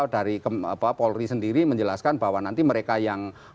dari paul ri sendiri menjelaskan bahwa nanti mereka yang